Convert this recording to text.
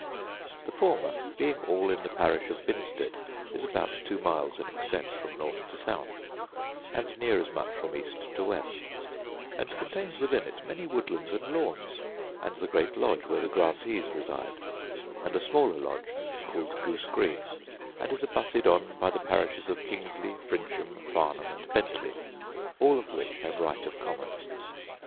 The former, being all in the parish of Binsted, is about two miles in extent from north to south, and near as much from east to west, and contains within it many woodlands and lawns, and the great lodge where the grantees reside; and a smaller lodge, called Goose green; and is abutted on by the parishes of Kingsley, Frinsham, Farnham, and Bentley; all of which have right of common.